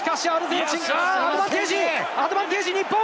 アドバンテージ日本！